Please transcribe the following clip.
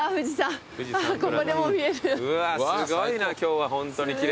うわっすごいな今日はホントに奇麗。